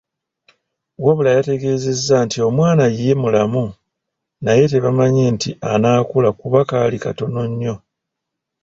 Wabula yantegeeza nti omwana ye mulamu naye tebamanyi nti anaakula kuba kaali katono nnyo.